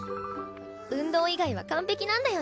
運動以外は完璧なんだよね。